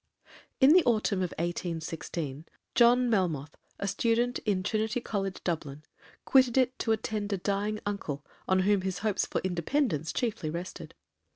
In the autumn of 1816, John Melmoth, a student in Trinity College, Dublin, quitted it to attend a dying uncle on whom his hopes for independence chiefly rested.